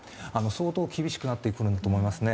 相当厳しくなっていくと思います。